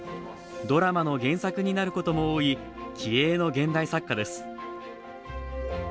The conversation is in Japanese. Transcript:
ドラマの原作になることも多い、気鋭の現代作家です。